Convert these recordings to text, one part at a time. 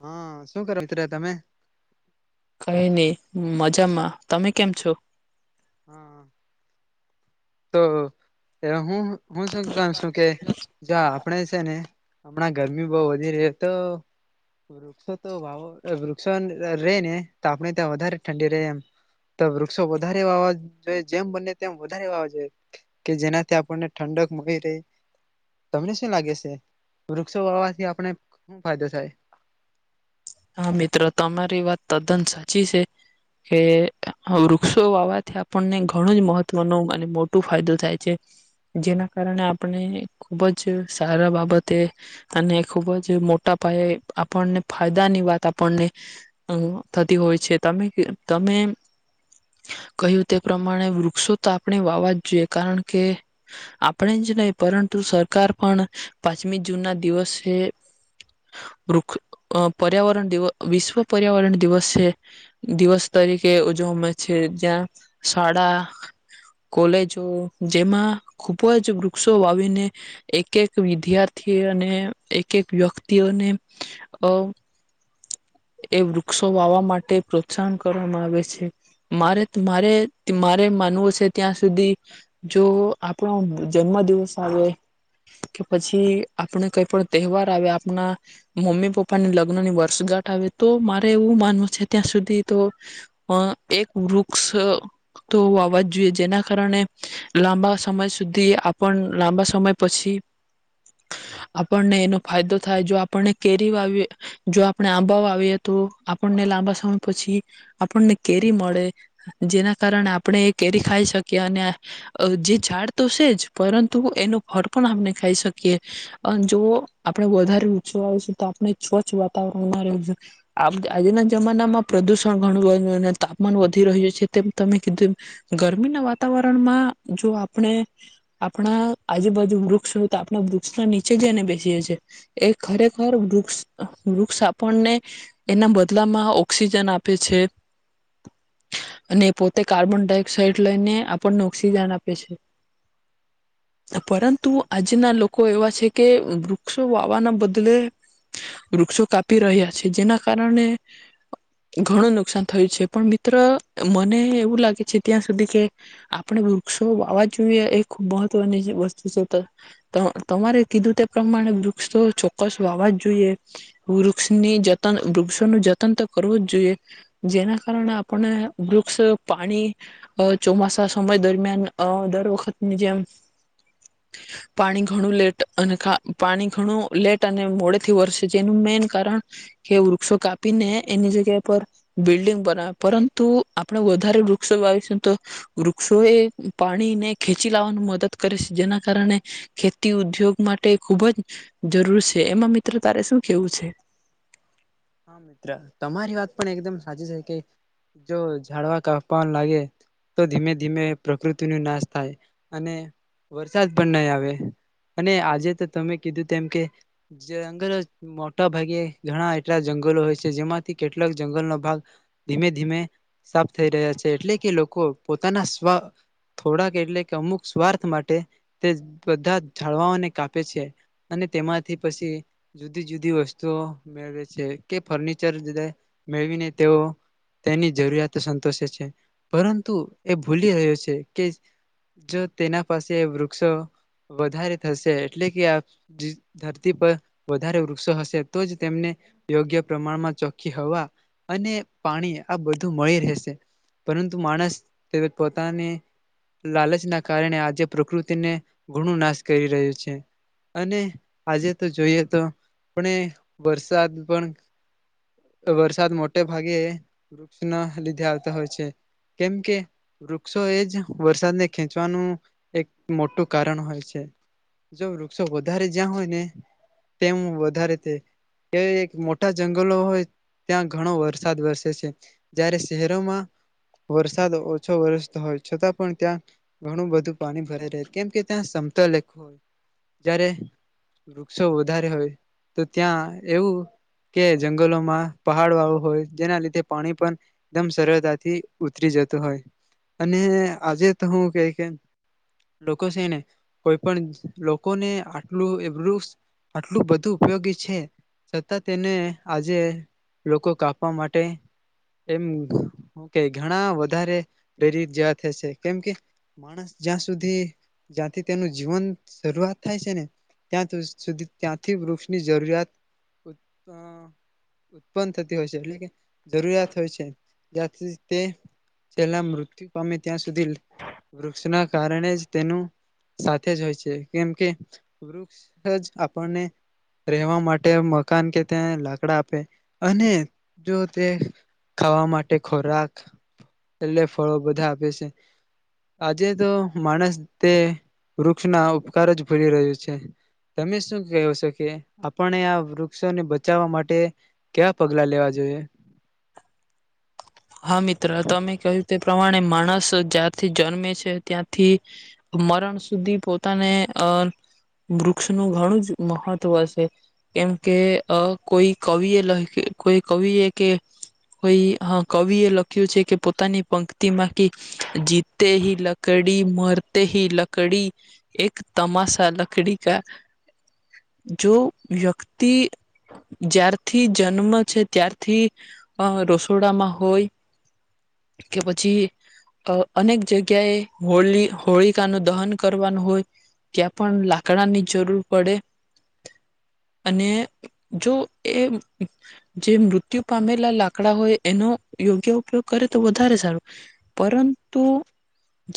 હા શું [unintelligible] તમે. કઈ નહી મજામાં તમે કેમ છો. હાં [unintelligible] તો એ હું હું શું [unintelligible] છું, કે જા આપણે છે, ને. હમણાં ગરમી બહ વધી [unintelligible] તો વૃક્ષો તો વાવો વૃક્ષો [unintelligible] ને તો આપણે ત્યાં વધારે ઠંડી રહે એમ તો વૃક્ષો વધારે વાવાઈએ જેમ બને તેમ વધારે [unintelligible] કે જેનાથી આપણને ઠંડક મળી રહી તમને શું લાગે છે, વૃક્ષો વાવાથી આપણે [unintelligible] ફાયદો થાય. હા મિત્ર તમારી વાત તદ્દન સાચી છે, કે વૃક્ષો વાવાથી આપને ઘણું જ મહત્વ ન મને મોટું ફાયદો થાય છે, જેના કારણે આપણે ખુબ જ સારા બાબતે અને ખૂબ જ મોટા પાયે આપણને ફાયદો ની વાત આપણને, થતી હોય છે, તમે તમે કહ્યું તે પ્રમાણે વૃક્ષો તો આપણે વાવા જ જોઈએ કારણ કે આપણે જ નહી પરંતુ સરકાર પણ પાંચમી જૂન ના દિવસે [unintelligible] પર્યાવરણ [unintelligible] વિશ્વ પર્યાવરણ દિવસ છે, દિવસ તરીકે ઉજવામાં છે, જ્યાં શાળા કોલેજો જેમાં ખુબ જ વૃક્ષો વાવીને એક એક વિદ્યાર્થી અને એક એક વ્યક્તિઓને અ એ વૃક્ષો વાવા માટે પ્રોત્સાહન કરવામાં આવે છે મારે મારે મારે માનવું છે, ત્યાં સુધી જો આપણાો જન્મ દિવસ આવે કે પછી આપણે કઈ પણ તહેવાર આવે આપણા મમ્મી પપ્પાને [unintelligible] વર્ષગા આવે તો મારે એવું માનવું છે, ત્યાં સુધી તો એક વૃક્ષ તો આવવાજ જોઈએ જેના કારણે લાંબા સમય સુધી આપણ લાંબા સમય પછી આપણને એનો ફાયદો થાય જો આપણને કેરી વા જો આપણે આંબાઓ આવીએ તો આપણને લાંબા સમય પછી આપણને કેરી મળે જેના કારણે આપણે એ કેરી ખાઈ શકીએ અને જે ઝાડ તો છે જ પરંતુ એનો ફળ પણ આપણે ખાઈ શકીએ જો આપણે વધારે [unintelligible] આવે છે, તો આપણે સ્વચ વા [inaudible] આજના જમાનામાં પ્રદુષણ ઘણું [unintelligible] અને તાપમાન વધી રહ્યું છે, તેમ તમે કીધું ગરમીના વાતાવરણમાં જો આપણે આપણા આજુબાજુ વૃક્ષ હોય તો આપણા વૃક્ષના નીચે જઈને બેસીએ છીએ એ ખરેખર વૃક્ષ વૃક્ષ આપણને એના બદલામાં ઓક્સિજન આપે છે, અને પોતે કાર્બન ડાયોક્સઇડ લઈને આપણને ઓક્સિજન આપે છે, પરંતુ આજના લોકો એવા છે, કે વૃક્ષો વાવાના બદલે. વૃક્ષો કાપી રહ્યા છે, જેના કારણે ઘણું નુકસાન થયું છે, પણ મિત્ર મને એવું લાગે છે, ત્યાં સુધી કે આપણે વૃક્ષો વાવા જોઈએ એ ખૂબ મહત્વની વસ્તુ છે, તમારે કીધું તે પ્રમાણે વૃક્ષો ચોક્કસ વાવા જ જોઈએ. વૃક્ષની જતન [unintelligible] જતન તો કરવું જ જોઈએ જેના કારણે આપણે વૃક્ષ પાણી ચોમાસા સમય દરમિયાન દર વખતની જેમ પાણી ઘણું લેટ અને પાણી ઘણું લેટ અને મોડે થી વર્ષ જેનું મેન કારણ કે વૃક્ષો કાપીને એની જગ્યા પર બિલ્ડંગ બનાવે પરંતુ આપણે વધારે વૃક્ષો લવીશું તો વૃક્ષો એ પાણીને ખેચી લાવવાનું મદદ કરે છે, જેના કારણે ખેતી ઉદ્યોગ માટે ખુબ જ જરૂર છે, એમાં મિત્ર તારે શું કેવું છે. હા મિત્ર તમારી વાત પણ એકદમ સાચી છે, કે જો ઝાડવા કાપવા લાગે તો ધીમે ધીમે પ્રકૃતિ ન નાશ થાય અને, વરસાદ પણ નહીં આવે અને આજે તો તમે કીધું તેમ કે [unintelligible] મોટા ભાગે ઘણા જંગલો હોય છે જેમાંથી કેટલાક જંગલનો ભાગ ધીમે ધીમે સાફ થઈ રહ્યા છે, એટલે કે લોકો પોતાના [unintelligible] થોડાક એટલે કે અમુક સ્વાર્થ માટે તે બધા જાળવાઓને કાપે છે, અને તેમાંથી પછી જુદી જુદી વસ્તુઓ મેળવે છે. ફર્નિચર મેળવીને તેઓ તેની જરૂરિયાતો સંતોષે છે પરંતુ એ ભૂલી રહ્યો છે, કે જો તેના પાસે વૃક્ષો વધારે થશે એટલે કે આ ધરતી પર વધારે વૃક્ષો હશે તો જ તેમને. યોગ્ય પ્રમાણમાં ચોખ્ખી હવા અને પાણી આ બધું મળી રહેશે પરંતુ માણસ તે પોતાની લાલચના કારણે આજે પ્રકૃતિને ગુણો નાશ કરી રહ્યો છે, અને આજે તો જોઈએ તો પણ વરસાદ વરસાદ મોટે ભાગે વૃક્ષ ના લીધે આવતા હોય છે, કેમ કે વૃક્ષો એ જ વરસાદને ખેંચવાનું એક મોટું કારણ હોય છે, જો વૃક્ષો વધારે જ્યાં હોય ને તેમ વધારે તે મોટા જંગલો હોય ત્યાં ઘણો વરસાદ વરસે છે જયારે શહેરોમાં વરસાદ ઓછો વરસતો હોય છતાં પણ ત્યાં ઘણું બધું પાણી ભરાઈ રહે કેમકે ત્યાં સમતલેખ હોય જ્યારે વૃક્ષો વધારે હોય તો ત્યાં એવું કે જંગલોમાં પહાડ વાળું હોય જેના લીધે પાણી પણ એકદમ સરળતાથી ઉતરી જતું હોય અને આજે તો હું કે કે લોકો છે, ને કોઈ પણ લોકોને આટલું એું આટલું બધું ઉપયોગી છે. તેને આજે લોકો કાપવા માટે એમ કે ઘણા વધારે પ્રેરિત જવા થ છે, કેમ કે માણસ જ્યાં સુધી જ્યાંથી તેનું જીવન શરૂઆત થાય છે, ને ત્યાં સુધી ત્યાંથી વૃક્ષની જરૂરિયાત ઉત્પન્ન થતી હોય છે, એટલે કે જરૂરિયાત હોય છે. જ્યાથી તે [unintelligible] મૃત્યુ પામે ત્યાં સુધી વૃક્ષના કારણે જ તેનું સાથે જ હોય છ, કેમ કે વૃક્ષ જ આપણને રહેવા માટે [unintelligible] લાકડા આપે અને જો તે ખાવા માટે ખોરાક એટલે ફળો બધા આપે છે, આજે તો માણસ તે વૃક્ષના ઉપકાર જ ભૂલી રહ્યો છે, તમે શું કહો છો કે આપને આ વૃક્ષ [unintelligible] બચાવવા માટે [unintelligible] પગલા લેવા જોઈએ. હા મિત્ર તમે કહ્યું તે પ્રમાણે માણસ જ્યાંથી જન્મે છે, ત્યાંથી મરણ સુધી પોતાને અ વૃક્ષનું ઘણું જ મહત્વ હશે કેમ કે કોઈ કવિએ [unintelligible] કોઈ કવિએ કે કોઈ કવિ એ લખ્યું છે કે પોતાની પંક્તિમાંથી જીતે હ લકડી મરતે હ લકડી એક તમાસા લકડી કા જો વ્યક્તિ જ્યારથી જન્મ છે, ત્યારથી રસોડામાં. હોય કે પછી અનેક જગ્યાએ [unintelligible] હોળિકા ન દહન કરવાનું હોય ત્યાં પણ લાકડાની જરૂર પડે અને જો એ [unintelligible] જે મૃત્યુ પામેલા લાકડા હોય એનો યોગ્ય ઉપયોગ કરે તો વધારે સારો પરંતુ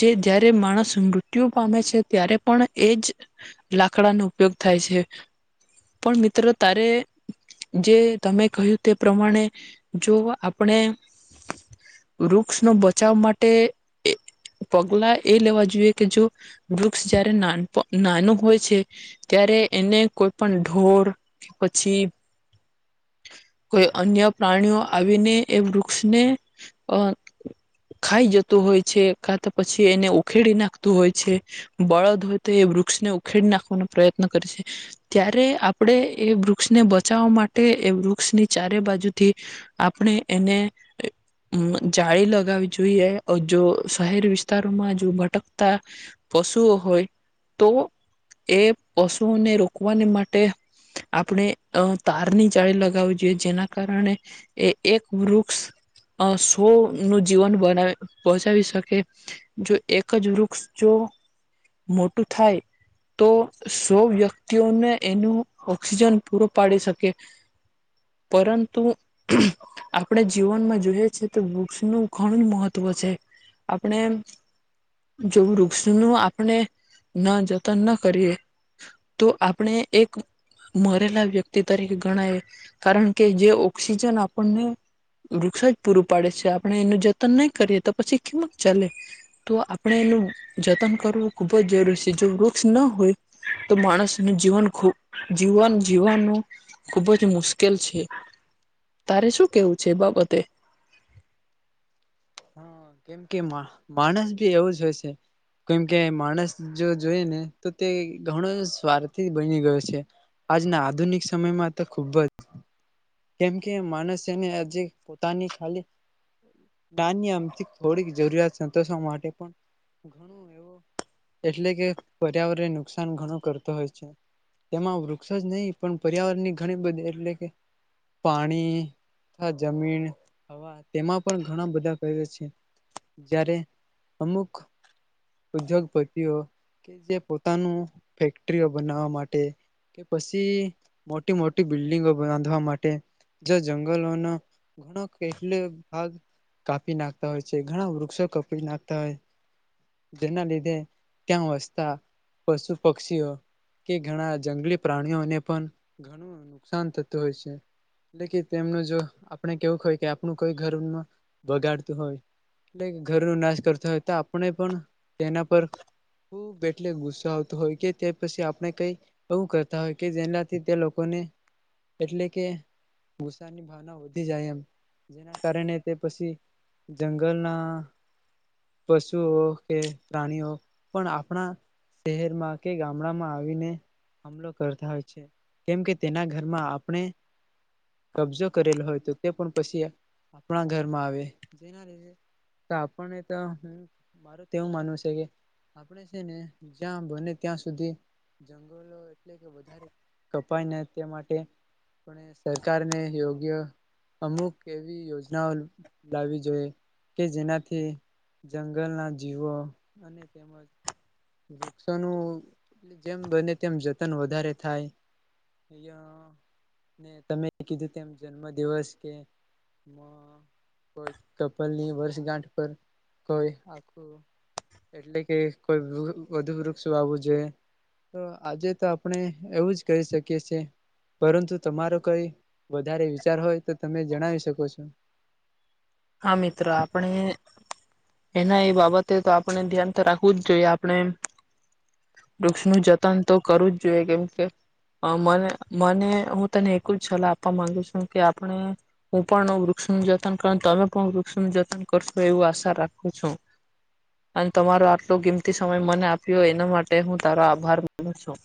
જે જારે માણસ મૃત્યુ પામે છે. ત્યારે પણ એ જ લાકડાનો ઉપયોગ થાય છે, પણ મિત્રો તારે જે તમે કહ્યું તે પ્રમાણે જો આપણે વૃક્ષ નો બચાવ માટે પગલા એ લેવા જોઈએ કે જો વૃક્ષ જારે નાન [unintelligible] નાનું હોય છે ત્યારે એને કોઈ પણ ઢોર કે પછી કોઈ અન્ય પ્રાણીઓ આવીને એ વૃક્ષ વૃક્ષને અ ખાઈ જતું હોય છે. ખાતા પછી એને ઉખેડી નાખતું હોય છે, બળદ હોય તો એ વૃક્ષને ઉખેડી નાખવાનો પ્રયત્ન કરે છે, ત્યારે આપણે એ વૃક્ષને બચાવવા માટે એ વૃક્ષની ચારે બાજુથી આપણે એને જાળી લગાવવી જોઈએ જો શહેર વિસ્તારોમાં જો ભટકતા પશુઓ હોય તો એ પશુઓને રોકવાને માટે આપણે તારની જાળી લગાવવી જોઈએ જેના કારણે એ એક વૃક્ષ અ સો નું જીવન બનાવે બચાવી શકે જો એક જ વૃક્ષ જો મોટું થાય તો સો વ્યક્તિઓને એનું ઓક્સિજન પૂરો પાડી શકે પરંતુ આપણે જીવનમાં જોઈએ છે, તો વૃક્ષનું ઘણું જ મહત્વ છે આપણે જો વૃક્ષનું આપણે જતન ના કરીએ તો આપણે એક મરેલા વ્યક્તિ તરીકે ગણાય કારણ કે જે ઓક્સિજન આપણને વૃક્ષ જ પૂરું પાડે છે, આપણે એનું જતન નહી કરીએ તો પછી કમત ચાલે તો આપણે એનું જતન કરવું ખુબ જ જરૂરી છે, જો વૃક્ષ ના હોય તો માણસનું જીવન જીવન જીવવાનું ખુબ જ મુશ્કેલ છે તારે શું કેવું. છેબબતે હ કેમ કે [unintelligible] માણસ બી એવું જ હોય છે, કેમકે માણસ જો જોઈ ને તો તે ઘણો સ્વાર્થી બની ગયો છે, આજના આધુનિક સમયમાં તો ખુબ જ કેમકે માણસ એને આ જે પોતાની ખાલી. [unintelligible] ની આમ થોડીક જરૂરિયાત સંતોષવા માટે પણ ઘણું એવું એટલે કે પર્યાવરણને નુકસાન ઘણું કરતો હોય છે, તેમાં વૃક્ષ જ નહીં પણ પર્યાવરણની ઘણી બધી એટલે કે પાણી [unintelligible] જમીન હવા તેમાં પણ ઘણા બધા કરે, છે જ્યારે અમુક ઉદ્યોગપતિઓ કે જે પોતાનું ફેક્ટરીઓ બનાવવા માટે કે પછી મોટી મોટી બિલ્ડિંગો બાંધવા માટે જે જંગલોનો ઘણો એટલે ભાગ કાપી નાખતા હોય છે, ઘણા વૃક્ષો કપી નાખતા હોય જેના લીધે ત્યાં વસતા પશુ પક્ષીઓ કે ઘણા જંગલી પ્રાણીઓને પણ ઘણું નુકસાન થતું હોય છે, એટલે કે તેમનું જો આપણે કેવું હોય કે આપણું કોઈ ઘર બગાડતું હોય એટલે કે ઘરનો નાશ કરતા હોય તો આપણે પણ તેના પર ખૂબ એટલે ગુસ્સો આવતો હોય કે તે પછી આપણે કઈ એવું કરતા હોય કે જેનાથી તે લોકોને એટલે કે ગુસ્સાની ભાવના વધી જાય એમ જેના કારણે તે પછી જંગલના પશુઓ કે પ્રાણીઓ પણ આપણા શહેરમાં કે ગામડામાં આવીને હમલો કરતા હોય છે, કેમ કે તેના ઘરમાં આપણે કબજો કરેલો હોય તો તે પણ પછી આપણા ઘરમાં આવે જેના લીધે આપણને તો મારું તો એવું માનવું છે કે આપણે છે, ને જ્યાં બને ત્યાં સુધી જંગલો એટલે કે વધારે કપાયને તે માટે આપણે સરકારને યોગ્ય અમુક એવી યોજના. [unintelligible] લાવવી જોઈએ કે જેનાથી જંગલના જીવો અને તેમજ વૃક્ષોનું જેમ બને તેમ જતન વધારે થાય અને તમે કીધું તેમ જન્મ દિવસ કે કોઈ [unintelligible] વર્ષગાંઠ પર કોઈ આખું એટલે કે કોઈ વધુ વૃક્ષો આવવું જોઈએ તો આજે તો આપણે એવું જ કરી શકીએ છેએ પરંતુ તમારો કઈ વધારે વિચાર હોય તો તમે જણાવી શકો છો. તો હા મિત્રો આપણે એના એ બાબતે તો આપણે ધ્યાન તો રાખવું જ જોઈએ આપણે વૃક્ષનું જતન તો કરવું જ જોઈએ કેમ કે મને મને હું તને એકું જ સલાહ આપવા માંગુ છું કે આપણે હું પણ વૃક્ષનું જતન [inaudible] પણ વૃક્ષનું જતન કરશું એવું આશા રાખું છું, અને તમારો આટલો ગિમતી સમય મને આપ્યો એના માટે હું તારો આભાર માનું છું.